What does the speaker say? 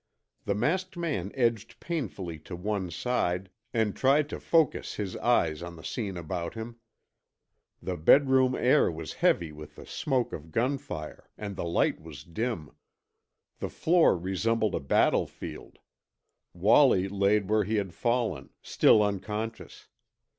The masked man edged painfully to one side and tried to focus his eyes on the scene about him. The bedroom air was heavy with the smoke of gunfire, and the light was dim. The floor resembled a battlefield. Wallie lay where he had fallen, still unconscious.